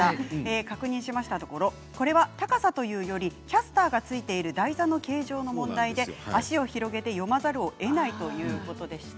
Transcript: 確認しましたところこれは高さというよりキャスターが付いている台座の形状の問題で脚を広げて読まざるをえないということでした。